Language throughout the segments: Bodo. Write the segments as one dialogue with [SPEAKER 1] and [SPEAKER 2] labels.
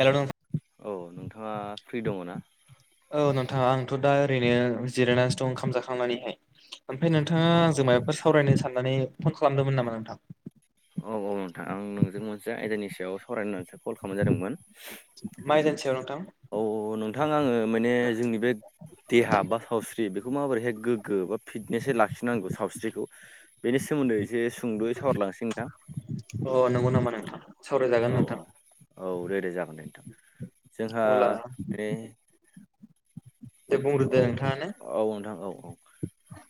[SPEAKER 1] हेल' नों
[SPEAKER 2] अ नोंथाङा फ्रि दंङ ना?
[SPEAKER 1] औ नोंथां आंथ' दा ओरैनो जिरायनानैसो दं ओंखाम जाखांनानैहाय। ओमफ्राय नोंथाङा
[SPEAKER 2] औ
[SPEAKER 1] आंजों माबाफोर सावरायनो साननानै फन खालामदोंमोन नामा नोंथां?
[SPEAKER 2] औ औ नोंथां आं नोंजों मोनसे आयदानि सायाव सावरायनो होननानैसो कल खालामनाय जादोंमोन।
[SPEAKER 1] मा आयदानि सायाव नोंथां?
[SPEAKER 2] औ-औ नोंथां आङो माने जोंनि बे देहा बा सावस्रि बेखौ माबोरैहाय गोग्गो बा फिटनेसहै लाखिनांगौ सावस्रिखौ बेनि सोमोन्दै एसे सुंदुयै सावहरलांसै नोंथां।
[SPEAKER 1] अ नोंगौ नामा नोंथां। सावरायजागोन नोंथां
[SPEAKER 2] औ-औ-औ दे-दे जागोन दे नोंथां जोंहा
[SPEAKER 1] अब्ला
[SPEAKER 2] बे
[SPEAKER 1] दे बुंग्रोदो नोंथाङानो।
[SPEAKER 2] औ औ नोंथां औ-औ।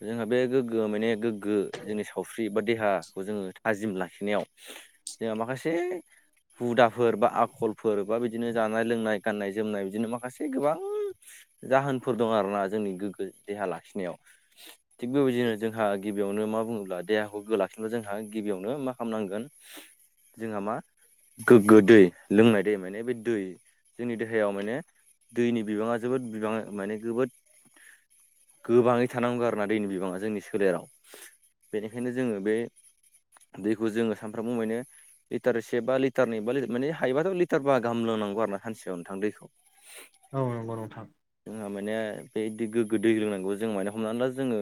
[SPEAKER 2] जोंहा बे गोग्गो माने गोग्गो जोंनि सावस्रि बा देहाखौ जोङो थाजिम लाखिनायाव जोंहा माखासे हुदाफोर बा आखलफोर बा बिदिनो जानाय लोंनाय गाननाय जोमनाय बिदिनो माखासे गोबां जाहोनफोर दं आरोना जोंनि गोग्गो देहा लाखिनायाव। थिग बेबायदिनो जोंहा गिबियावनो मा बुङोब्ला देहाखौ गोग्गो लाखिब्ला जोंहा गिबियावनो मा खालामनांगोन। जोंहा मा गोग्गो दै लोंनाय दै माने बे दै जोंनि देहायाव माने दैनि बिबाङा जोबोद बिबाङ माने जबोद गोबाङै थानांगौ आरोना दैनि बिबाङा जोंनि सोलेराव। बेनिखायनो जोङो बे दैखौ जोङो सानफ्रामबो मोने लिटार एसे बा लटार न बाार मान हबाथ' लिटार बा गाहाम लोंनांगौ आर ना सानसेयाव नोंथां दैखौ।
[SPEAKER 1] औ नोंगौ नोंथां।
[SPEAKER 2] जोंहा माने बेदि गोग्गो दै लोंनांगौबो जों माने हमनानै ला जोङो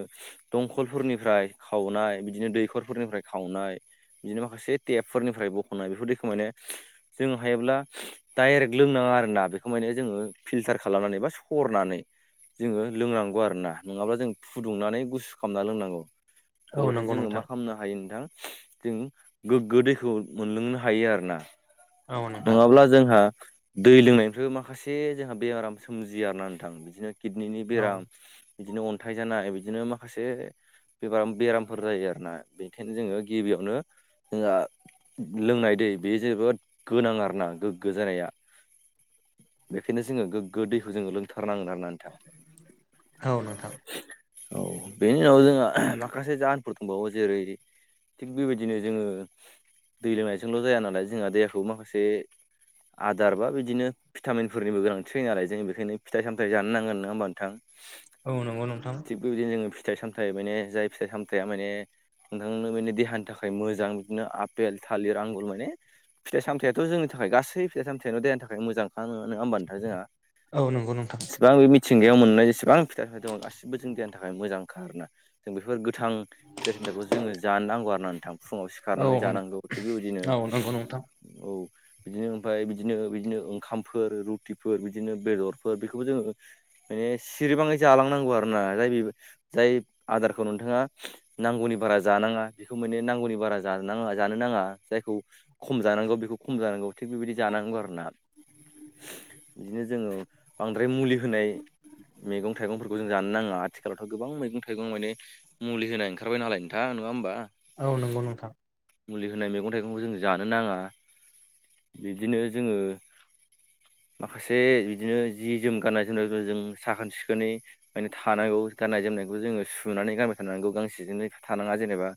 [SPEAKER 2] दंखलफोरनिफ्राय खावनाय बिदिनो दैखरफोरनिफ्राय खावनाय बिदिनो माखासे टेपफोरनिफ्राय बख'नाय बेफोर दैखौ माने जों हायोब्ला डाइरेक्ट लोंनाङा आरोना बेखौ माने जोङो फिल्टार खालामनानै बा सरनानै जोङो लोंनांगौ आरोना नङाब्ला जों फुदुंनानै गुसु खामना लोंनांगौ।
[SPEAKER 1] औ
[SPEAKER 2] अब्लाथाय
[SPEAKER 1] नंगौ
[SPEAKER 2] जोङो मा
[SPEAKER 1] नोंथां
[SPEAKER 2] खालामनो हायो नोंथां जों गोग्गो दैखौ मोनलोंनो हायो आरोना
[SPEAKER 1] औ नोंथां
[SPEAKER 2] नङाब्ला जोंहा दै लोंनायनिफ्रायबो माखासे जोंहा बेमाराम सोमजियो आरोना नोंथां बिदि किडनिनि
[SPEAKER 1] औ
[SPEAKER 2] बेराम बिदिनो अन्थाइ जानाय बिदिनो माखासे बेबाराम बेरामफोर जायो आरोना बेनिखायनो जोङो गिबियावनो जोंहा लोंनाय दै बे जोबोद गोनां आरोना गोग्गो जानाया। बेखायनो जोङो गोग्गो दैखौ जोङो लोंथारनांगोन आरो नान
[SPEAKER 1] औ नोंथा।
[SPEAKER 2] औ बेनि उनाव जोंहा माखासे जाहोनफोर दंबावो जेरै थिग बिबायदिनो जोङो दै लोंनायजोंल' जाया नालाय जोंहा दैहाखौ माखासे आदार बा बिदिनो भिटामिनफोरनिबो गोनांथि जायो नालाय जों बे खायनो फिथाइ सामथाइ जानो नांगोन नोङा होमबा नोंथां?
[SPEAKER 1] औ नंगौ नोंथां।
[SPEAKER 2] थिग बेबायदिनो जोङो फिथाइ सामथाइ माने जाय फिथाइ सामथाइया माने नोंथांनो बेनो देहानि थाखाय मोजां बिदिनो आपेल थालिर आंगुर माने फिथाइ सामथाइयाथ' जोंनि थाखाय गासै फिथाइ सामथाइयानो देहानि थाखाय मोजां [unintelligible] होमबा नोंथां जोंहा?
[SPEAKER 1] औ नंगौ नोंथां।
[SPEAKER 2] सेबां बे मिथिंगायाव मोननाय जेसेबां फिथाइ फिथाइ दं गासिबो जों देहानि थाखाय मोजांखा आरोना। जों बेफोर गोथां फिथाइ सामथाइखौ जोङो जानो नांगौ आरोना नोंथां फुङाव सिख
[SPEAKER 1] औ औ
[SPEAKER 2] खारनानै जानांगौ थिग बेबायदिनो
[SPEAKER 1] नंगौ नोंथां
[SPEAKER 2] औ बिदिनो ओमफाय बिदिनो बिदिनो ओंखामफोर रुटिफोर बिदिनो बेदर फोर बेखोबो जोङो माने सिरिबाङै जालांनांगौ आरोना जाय बेबो जाय आदारखौ नोंथाङा नांगौनि बारा जानाङा बिखौ मोने नांगौनि बारा जानो नाङा जानो नाङा जायखौ खम जानांगौ बेखौ खम जानांगौ थिग बेबायदि जानांगौ आरोना बिदिनो जोङो बांद्राय मुलि होनाय मेगं थाइगंफोरखौ जों जानो नाङा आथिख खालावथ' गोबां मैगं थाइगं माने मुलि होनाय ओंखारबाय नालाय नोंथां नङा होमबा?
[SPEAKER 1] औ नंगौ नोंथां।
[SPEAKER 2] मुलि होनाय मेगं थाइगंखौ जों जानो नाङा बिब्दिनो जोङो माखासे इदिनो जि जोम गाननाय जोमनाय [unintelligible] जों साखोन सिखोनै माने थानागौ गाननाय जोमनायखौ जोङो सुनानै गानबाय थानांगौ गांसेजोंनो थानाङा जेनेबा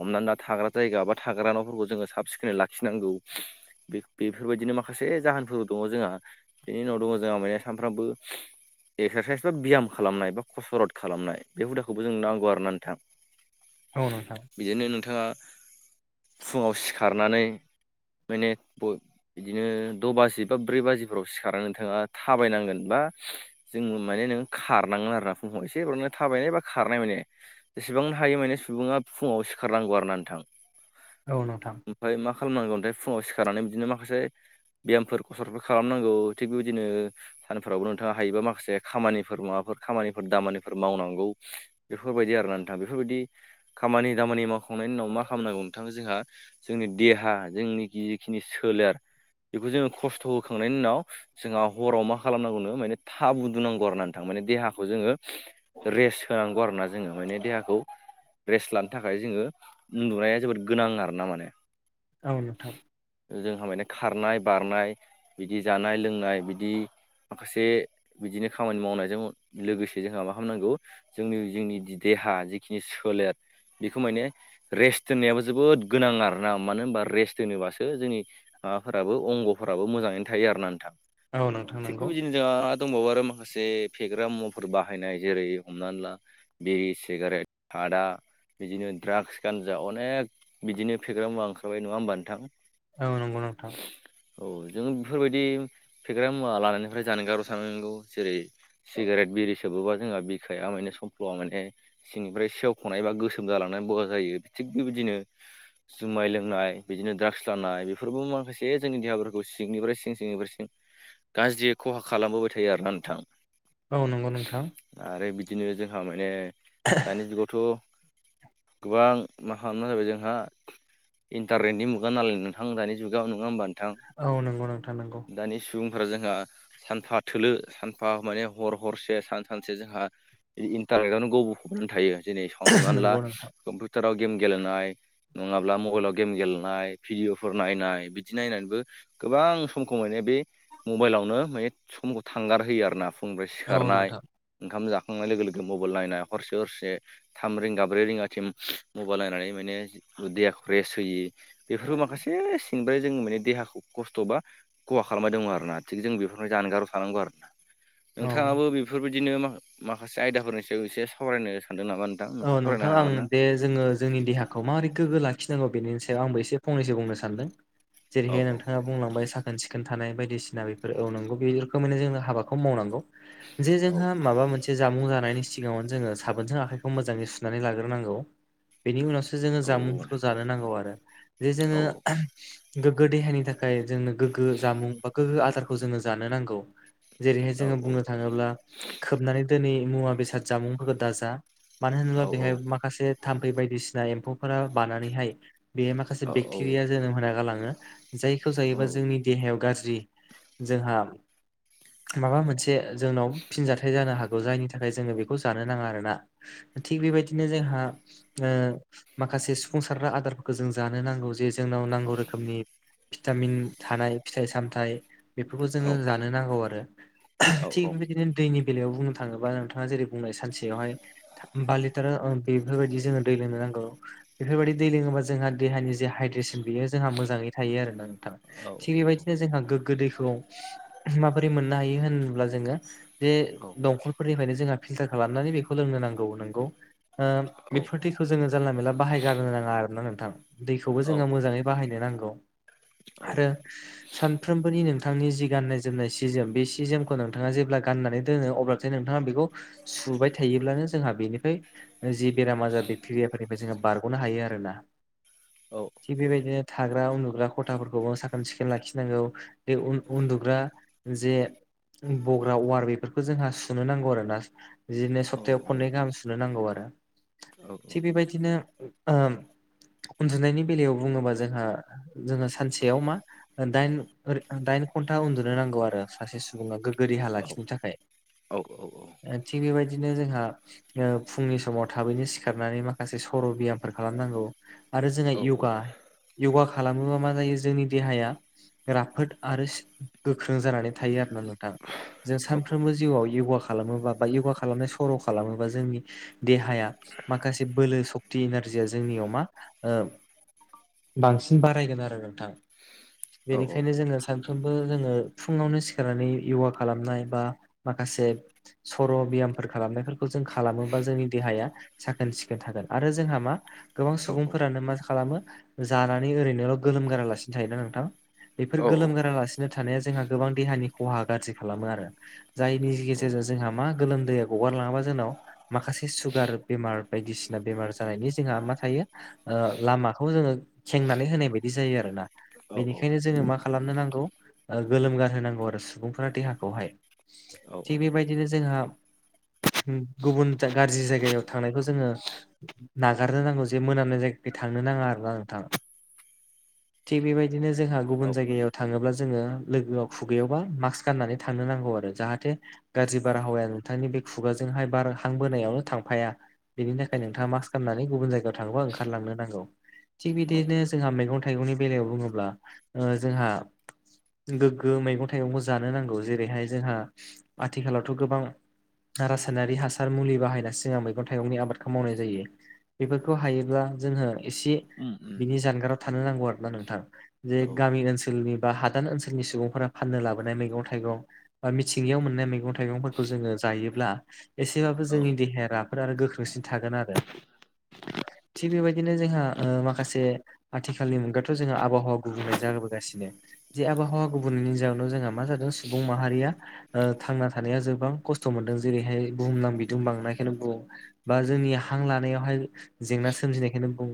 [SPEAKER 2] हमना ला थाग्रा जायगा बा थाग्रा न'फोरखौ जोङो साब सिखोनै लाखिनांगौ। बे-बेफोरबायदिनो माखासे जाहोनफोरबो दङ जोंहा बिनि उनाव दङ जोंहा माया सानफ्रामबो एक्सारसाइस बा बियाम खालामनाय बा कस'रत खालामनाय बे हुदाखौबो जोंनो नांगौ आरोना नोंथां। [inaudible]
[SPEAKER 1] औ नोंथां।
[SPEAKER 2] बिदिनो नोंथाङा फुङाव सिखारनानै माने ब बिदिनो द' बाजि बा ब्रै बाजिफोराव सिखारना नोंथाङा थाबायनांगोन बा जोङो माने नों खारनांगोन आरोना फुुंङाव एसे [unintelligible] थाबायनाय बा खारनाय माने जेसेबां हायो माने सुबुङा फुङाव सिखारनांगौ आरोना नोंथां।
[SPEAKER 1] औ नोंथां।
[SPEAKER 2] ओमफाय मा खालामनांगौ [unintelligible] फुंङाव सिखारनानै बिदिनो माखासे बेयामफोर खस'रतफोर खालामनांगौ थिग बेबायदिनो सानफोरावबो नोंथाङा हायोबा माखासे खामानिफोर माबाफोर खामानिफोर दामानिफोर मावनांगौ। बेफोरबायदि आरोना नोंथां बेफोरबायदि खामानि दामानि मावखांनायनि उनाव मा खामनांगौ नोंथां जोंहा जोंनि देहा जोंनि जिखिनि सोलेर बेखौ जोङो खस्थ' होखांनायनि उनाव जोंहा हराव मा खालामनांगौनो माने थाब उनदुनांगौ आरोना नोंथां माने देहाखौ जोङो रेस्ट होनांगौ आरोना जोंङो माने देहाखौ रेस्ट लानो थाखाय जोङो उन्दुनाया जोबोद गोनां आरो ना माने।
[SPEAKER 1] औ नोंथां।
[SPEAKER 2] जोंहा माने खारनाय बारनाय बिदि जानाय लोंनाय बिदि बि माखासे बिदिनो खामानि मावनायजों लोगोसे जोंहा मा खालामनांगौ? जोंनि जोंनि जि देहा जिखिनि सोलेर बेखौ माने रेस्ट दोननायाबो जोबोद गोनां आरो ना मानो होनबा रेस्ट दोनोबासो जोंनि माबाफोराबो अंग'फोराबो मोजांङैनो थायो आरो ना नोंथां।
[SPEAKER 1] औ नोंथां
[SPEAKER 2] थिग
[SPEAKER 1] नंगौ
[SPEAKER 2] बेबायदिनो जोंहा दंबावो आरो माखासे फेग्रा मुवाफोर बाहायनाय जेरै हमनानै ला बिरि, सिगारेट, सादा बिदिनो द्राग्स गानजा अनेक बिदिनो फेग्रा मुवा ओंखारबाय नङा होनबा नोंथां?
[SPEAKER 1] औ नंगौ नोंथां।
[SPEAKER 2] औ जों बेफोरबायदि फेग्रा मुवा लानायनिफ्राय जानगाराव थानांगौ जेरै सिगारेट बिरि सोबोबा जोंहा बिखाया माने समफ्ल'आ माने सिंनिफ्राय सेवख'नाय एबा गोसोम जालांनानै बया जायो। थिग बेबायदिनो जुमाय लोंनाय, बिदिनो ड्राग्स लानाय बेफोरबो माखासे जोंनि देहाफोरखौ सिंनिफ्राय सिं सिंनिफ्राय सिं गाज्रियै खहा खालामबोबाय थायो आरोना नोंथां।
[SPEAKER 1] औ नंगौ नोंथां।
[SPEAKER 2] आरो बिदिनो जोंहा माने दानि जुगावथ' गोबां मा खालामना होबाय जोंहा इन्टारनेटनि मुगा नालाय नोंथां दानि जुगाव नङा होमबा नोंथां?
[SPEAKER 1] औ नंगौ नोंथां नंगौ।
[SPEAKER 2] दानि सुबुंफोरा जोंहा सानफा थोलो, सानफा माने हर हरसे सान सानसे जोंहा बे इन्टारनेटआवनो गब'नानै थायो जेरै हमनानै ला
[SPEAKER 1] नंगौ नोंथां।
[SPEAKER 2] कम्पिउटाराव गेम गेलेनाय नङाब्ला मबेइलाव गेम गेलेनाय भिडिअफोर नायनाय बिदि नायनानैबो गोबां सम खौ माने बे मबाइलावनो माने समखौ थांगारहोयो आरोना, फुंनिफ्राय
[SPEAKER 1] औ
[SPEAKER 2] सिखारनाय
[SPEAKER 1] नोंथां।
[SPEAKER 2] ओंखाम जाखांनाय लोगो लोगो मबाइल नायनाय हरसे हरसे। थाम रिंगा ब्रै रिंगासिम मबाइल नायनानै माने देहाखौ रेस्ट होयि बेफोरखौ माखासे सिंनिफ्राय जोंनि माने देहाखौ कस्थ' बा खहा खालामबाय दङ आरोना। थिग जों बेफोरनिफाय जानगाराव थानांगौ आरोना।
[SPEAKER 1] औ
[SPEAKER 2] नोंथाङाबो बेबायदि बेफोरबायदिनो मा-माखासे आयदाफोरनि सायाव एसे सावरायनो सानदों नामा नोंथां?
[SPEAKER 1] औ
[SPEAKER 2] नोंथाङा सावरायनो
[SPEAKER 1] नोंथां आं
[SPEAKER 2] हागोन ना
[SPEAKER 1] बे जोङो जोंनि देहाखौ मारै गोग्गो लाखिनांगौ बेनि सायाव आंबो एसे फंनैसो बुंनो सानदों। जेरैहाय
[SPEAKER 2] औ
[SPEAKER 1] नोंथाङा बुंलांबाय साखोन सिखोन थानाय बायदिसिना बेफोर औ नोंगौ बे रोखोमैनो माने जों हाबाखौ मावनांगौ। जे
[SPEAKER 2] औ
[SPEAKER 1] जोंहा माबा मोनसे जामुं जानायनि सिगाङावनो जोङो साबोनजों आखाइ खौ मोजाङै सुनानै लाग्रोनांगौ। बेनि उनावसो जोङो
[SPEAKER 2] औ
[SPEAKER 1] जामुंफोरखौ जानो नांगौ आरो। जे
[SPEAKER 2] औ
[SPEAKER 1] जोङो गोग्गो देहानि थाखाय जोंनो गोग्गो जामुं बा गोग्गो आदारखौ जोङो जानो नांगौ। जेरैहाय
[SPEAKER 2] औ
[SPEAKER 1] जोङो बुंनो थाङोब्ला खोबनानै दोनै मुवा बेसाद जामुंफोरखौ दाजा। मानो
[SPEAKER 2] औ
[SPEAKER 1] होनोब्ला बेहाय माखासे थाम्फै बायदिसिना एम्फौफोरा बानानैहाय बे माखासे बेक्टेरिया जोनोम होना गालाङो जायखौ जायोबा जोंनि देहायाव गाज्रि जोंहा माबा मोनसे जोंनाव फिनजाथाय जानो हागौ जायनि थाखाय जोङो बेखौ जानो नाङा आरोना। थिग बेबायदिनो जोंहा ओ माखासे सुफुंसारग्रा आदारफोरखौ जों जानो नांगौ जे जोंनाव नांगौ रोखोमनि भिटामिन थानाय फिथाइ सामथाइ बेफोरखौ जोङो जानो नांगौ आरो थिग बिबायदि बिदिनो दैनि बेलायाव बुंनो थाङोबा नोंथाङा जेरै बुंनाय सानसेयावहाय बा लिटार बेफोरबायदि जोङो दै लोंनो नांगौ बेफोरबायदि दै लोङोबा जोंहा देहानि जे हाइद्रेसन बेयो जोंहा मोजाङै थायो आरोना नोंथां थिग बेबायदिनो जोंहा गोगो दैखौ माबोरै मोननो हायो होनब्ला जोङो बे दंखल फोरनिफ्रायनो जोंहा दैखौ फिलतार खालामनानै बेखौ‌ लोंनो नांगौ नोंगौ ओ
[SPEAKER 2] औ
[SPEAKER 1] बेफोर‌ दैखौ खौ जोङो जानला मेनला बाहायगारनो नाङा आरो ना नोंथां दैखौबो जोङो मोजाङै बाहायनो नांगौ आरो सानफ्रोमबोनि नों नोंथांनि जि गाननाय जोमनाय सि जोम बे सि जोमखौ नोंथाङा जेब्ला गाननानै दोनो अब्लाथाय नोंथाङा बेखौ सुबाय थायोब्लानो जोंहा बेनिफ्राय जि बेराम आजार बेक्टेरियाफोरनिफ्राय जोंङो बारगनो हायो आरोना
[SPEAKER 2] औ
[SPEAKER 1] थिग बेबायदिनो थाग्रा उन्दुग्रा खथाफोरखौबो साखोन सिखोन लाखिनांगौ बे उन‌ उन्दुग्रा जे बग्रा वार बेफोरखौ जोंहा सुनो नांगौ आरोना बिदिनो सप्तायाव खननै गाहाम सुनो नांगौ आरो थिग बेबायदिनो ओम उन्दुनायनि बेलायाव बुङोबा जोंहा जोङो सानसेयाव मा दाइन‌ ओ‌र दाइन घन्टा उन्दुनो नांगौ आरो सासे सुबुङा गोग्गो देहा लाखिनो थाखाय
[SPEAKER 2] औ औ औ
[SPEAKER 1] ओ थिग बेबायदिनो जोंहा ओ फुंनि समाव थाबैनो सिखारनानै माखासे सर बियामफोर खालामनांगौ आरो जोंहा यगा यगा खालामोबा मा जायो जोंनि देहाया राफोद आरो सि गोख्रों जानानै थायो आरो ना नोंथां जों सानफ्रोमबो जिउआव यगा खालामोबा बा यगा खालामनाय सर खालामोबा जोंनि देहाया माखासे बोलो सक्ति एनारजिया जोंनियाव मा‌ ओ बांसिन बारायगोन आरो नोंथां बेनिखायनो जोङो सानफ्रोमबो जोङो फुङावनो सिखारनानै यगा खालामनाय बा माखासे सर बियामफोर खालामनायफोरखौ खौ जों खालामोबा जोंनि देहाया साखोन सिखोन थागोन आरो जोंहा मा गोबां सुबुंफोरानो मा खालामो जानानै ओरैनोल' गोलोम गारालासिनो थायोना नोंथां बेफोर गोलोम गोरालासिनो थानाया जोंहा गोबां देहानि खहा गाज्रि खालामो आरो जायनि गेजेरजों जोंहा मा गोलोमदैया गगारलाङोबा ज जोंनाव माखासे सुगार बेमार बायदिसिना बेमार जानायनि जोंहा मा थायो लामाखौ जोङो खेंनानै होनाय बायदि जायो आरोोना बेनिखायनो जोङो मा खालामनो नांगौ गोलोम गारहोनांगौ आरो सुबुंफोरा देहाखौहाय थिग बेबायदिनो जोंहा गुबुन गाज्रि जायगायाव थांनायखौ जोङो नागारनो नांगौ जे मोनामनाय जायग थांनो नाङा आरोना नोंथाङा थिग बेबायदिनो जोंहा गुबुन जायगायाव थाङोब्ला जोङो लोगोआव खुगैायावबा मास्क गाननानै थांनो नांगौ आरो जाहाथे गाज्रि बारहावाया नोंथांनि बे खुगाजोंहाय बार हांबोनायावनो थांफाया बेनि थाखाय नोंथाङा मा खालामनानै गुबुन जायगायाव थांबा ओंखारलांनो नांगौ थिग
[SPEAKER 2] औ
[SPEAKER 1] बिदिनो जोंहा मैगं थाइगंनि बेलायाव बुङोब्ला जोंहा गोग्गो मैगं थाइगंबो जानो नांगौ जेरैहाय जोंहा आथिखालावथ' गोबां नारासायनारि हासार मुलि बाहायना सिगां मैगं थाइगंनि आबादखौ मावनाय जायो बेफोरखौ हायोब्ला जोङो एसे
[SPEAKER 2] उम उम
[SPEAKER 1] बिनि जानगाराव थानो नांगौ आरोना नोंथां
[SPEAKER 2] औ उम औ
[SPEAKER 1] जे गामि ओनसोलनि बा हादान ओनसोलनि सुबुंफोरा फाननो लाबोनाय मैगं थाइगं बा मिथिंगायाव मोननाय मैगंाइं थाइगंफोरखौ जोङो जायोब्ला एसेबाबो जोंनि देहाया राफोद आरो गोख्रोंसिन थागोन आरो थिग बेबायदिनो जोंहा माखासे आथिखालनि मुगाथ' जोंहा आबहावा आबहावा गुबुंनाय जाबोगासिनो जे आबहावा गुबुंनायनि जााहोनाव जोंहा मा जादों सुबुं माहारिया थांना थानाया जबां खस्थ' मोनदों जेरैहाय बुहुमनां बिदुंबांना खाय बा जोंनि हां लानायावहाय जेंना सोमजिनायखौनो बुं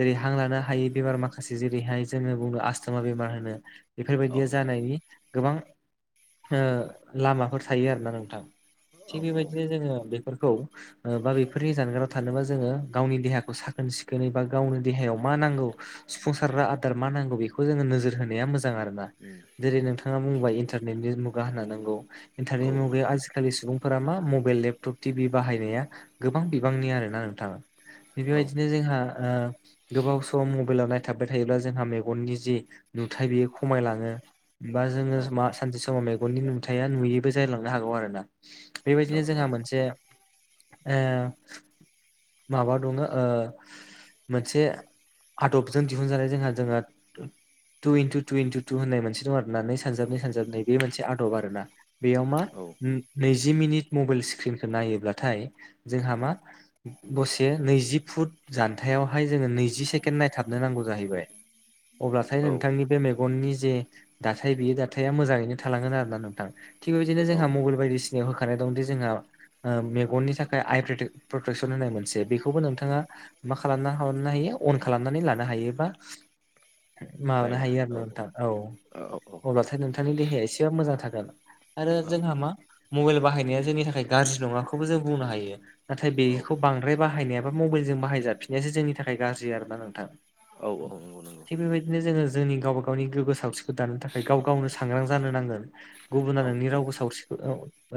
[SPEAKER 1] जेरै हां लानो हायै बेमार माखासे जेरैहाय जोङो बुङो आसस्थमा बेमार होनो बेफोरबायदिया जानायनि गोबां ओ लामाफोर थायो आरोना नोंथां। थिग बेबायदिनो जोङो बेफोरखौ बा बेफोरनि जानगाराव थानोबा जोङो गावनि देहाखौ साखोन सिखोनै बा गावनि देहायाव मा नांगौ सुफुंसारग्रा आदार मा नांगौ बेखौ जोङो नोजोर होनाया मोजां आरो ना? जेरै नोंथाङा बुंबाय इन्टारनेटनि मुगा होनना नांगौ इन्टारनेटनि मुगायाव आजिखालि सुबुं फोर मा मबाइल लेपटप टि भि बाहायनाया गोबां बिबांनि आरोना नोंथां। बेबायदिनो जोंहा ओ गोबाव सम मबाइलाव नायथाबबाय थायोब्ला जोंहा मेगननि जि नुथाय बेयो खमायलाङो। होमबा जोङो मा सानसे समाव मेगननि नुथाया नुयैबो जालांनो हागौ आरो ना? बेबायदिनो जोंहा मोनसे ओ माबा दङ ओ मोनसे आदबजों दिहुनजानाय जोंहा जोंहा two into two into two होननाय मोनसे दं आरो ना नै सानजाबनै नै सानजाबनै बे मोनसे आदब आरोना? बेयाव मा
[SPEAKER 2] औ
[SPEAKER 1] नैजि मिनिट मबाइल स्क्रिनखौ नायोब्लाथाय जोंहा मा दसे नैजि फुट जान्थायावहाय जोङो नै जि सेके नायथाबनो नांगौ जाहैबाय अब्लाथाय
[SPEAKER 2] औ
[SPEAKER 1] नोंथांनि बे मे गननि जे दाथाय बेयो दाथाया मोजाङैनो थलाांगोन आरो ना नोंथां थिग बेबायदिनो जोंहा
[SPEAKER 2] औ
[SPEAKER 1] मबाइल बायदिसि होखानाय दंदि जोंहा ओ मेगननि थाखाय आइ प्रटेकसन होननाय मोनसे बेखौबो नोंथाङा मा खालामना लानो हायो अन खालामनानै लानो हायोबा
[SPEAKER 2] [inaudible]
[SPEAKER 1] माबानो हायो आरो ना नोंथां औ
[SPEAKER 2] औ औ
[SPEAKER 1] अब्लाथाय नोंथां नोंथांनि देहाया एसेबाबो मोजां थागोन आरो
[SPEAKER 2] औ
[SPEAKER 1] जोंहा मा मबाइल बाहायनाया जोंनि थाखाय गाज्रि नङाखौबो जों बुंनो हायो। नाथाय बेखौ बांद्राय बाहायनायाबो मबाइलजों बाहायजाफिननायासो जोंनि थाखाय गाज्रि आरोना नोंथां?
[SPEAKER 2] औ औ नंगौ नंगौ।
[SPEAKER 1] थिग बेबायदिनो जोङो जोंनि गावबा गावनि गोगो सावख्रिखौ दानो थाखाय गाव गावनो सांग्रां जानो नांगोन।
[SPEAKER 2] औ
[SPEAKER 1] गुबुना नोंनि रावखौ सावस्रिखौ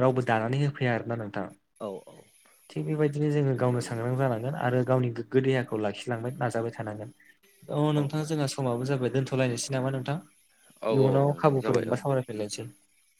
[SPEAKER 1] रावबो दानानै होफैया आरोना नोंथां?
[SPEAKER 2] [inaudible]
[SPEAKER 1] थिग बेबायदिनो जोङो
[SPEAKER 2] नंगौ
[SPEAKER 1] गावनो
[SPEAKER 2] नंगौ
[SPEAKER 1] सांग्रां जानांगोन आरो गावनि गोग्गो देहाखौ लाखिलांबाय नाजाबाय थानांगोन। अ
[SPEAKER 2] औ
[SPEAKER 1] नोंथाङा जोंहा समाबो जाबाय दोन्थ'लायनोसै नामा नोंथां
[SPEAKER 2] औ औ
[SPEAKER 1] इयुनाव
[SPEAKER 2] नोंथां
[SPEAKER 1] खाबुफोर
[SPEAKER 2] जाबाय औ
[SPEAKER 1] मोनबा सामराय [inaudible]